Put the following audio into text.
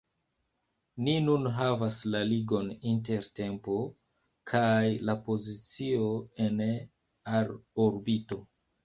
Ni nun havas la ligon inter tempo kaj la pozicio en orbito.